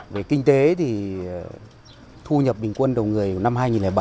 về kinh tế thì thu nhập bình quân đầu người năm hai nghìn bảy